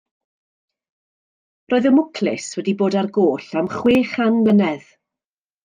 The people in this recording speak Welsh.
Roedd y mwclis wedi bod ar goll am chwe chan mlynedd.